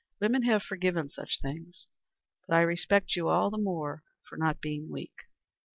"Women have forgiven such things; but I respect you all the more for not being weak.